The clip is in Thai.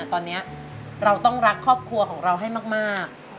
ตอนนี้เราต้องรักครอบครัวของเราให้มาก